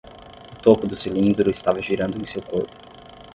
O topo do cilindro estava girando em seu corpo.